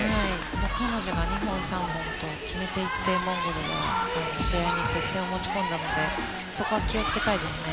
彼女が２本、３本と決めて行ってモンゴルが試合、接戦に持ち込んだのでそこは気をつけたいです。